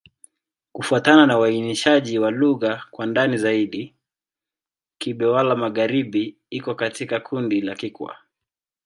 Kufuatana na uainishaji wa lugha kwa ndani zaidi, Kigbe-Xwla-Magharibi iko katika kundi la Kikwa.